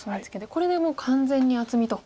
これでもう完全に厚みと。